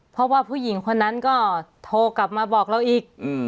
เพราะว่าผู้หญิงคนนั้นก็โทรกลับมาบอกเราอีก